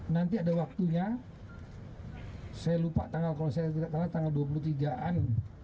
nanti ada waktunya saya lupa tanggal kalau saya tidak salah tanggal dua puluh tiga an